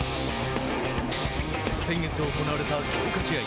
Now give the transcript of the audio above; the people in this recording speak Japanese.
先月行われた強化試合。